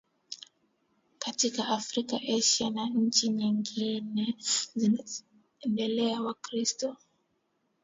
katika Afrika Asia na nchi nyingine zinazoendelea Wakristo